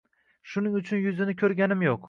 Shuning uchun yuzini ko‘rganim yo‘q.